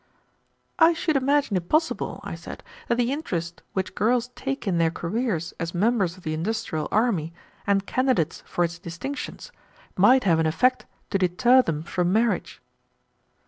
"I should imagine it possible," I said, "that the interest which girls take in their careers as members of the industrial army and candidates for its distinctions might have an effect to deter them from marriage."